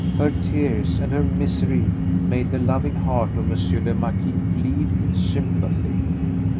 Her tears and her misery made the loving heart of M. le Marquis bleed in sympathy.